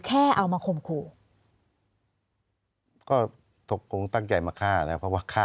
แค่เอามาข่มขู่ก็ตกลงตั้งใจมาฆ่าแล้วเพราะว่าฆ่า